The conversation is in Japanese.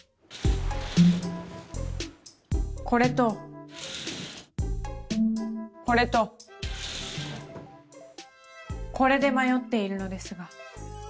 これとこれとこれで迷っているのですが。